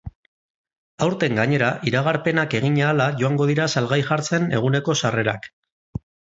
Aurten, gainera, iragarpenak egin ahala joango dira salgai jartzen eguneko sarrerak.